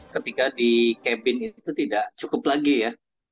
ketika di cabin itu tidak cukup lagi ya